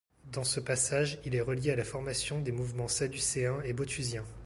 Dans ce passage, il est relié à la formation des mouvements sadducéen et boethusien.